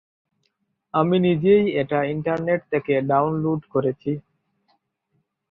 আমি নিজেই এটা ইন্টারনেট থেকে ডাউনলোড করেছি।